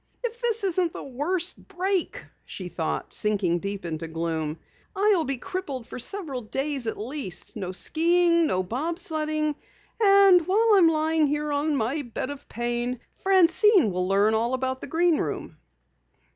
"If this isn't the worst break," she thought, sinking deep into gloom. "I'll be crippled for several days at least. No skiing, no bob sledding. And while I'm lying here on my bed of pain, Francine will learn all about the Green Room."